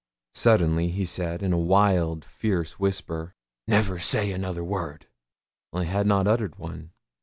Suddenly he said, in a wild, fierce whisper 'Never say another word' (I had not uttered one).